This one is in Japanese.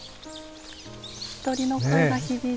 鳥の声が響いて。